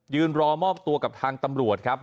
รอมอบตัวกับทางตำรวจครับ